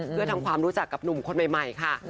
เพื่อทำความรู้จักกับหนุ่มคนใหม่ค่ะ